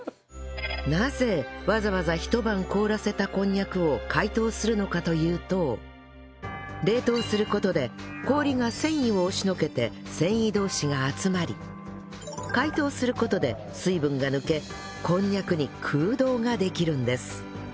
なぜわざわざひと晩凍らせたこんにゃくを解凍するのかというと冷凍する事で氷が繊維を押しのけて繊維同士が集まり解凍する事で水分が抜けこんにゃくに空洞ができるんです